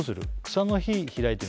草の日開いてみる？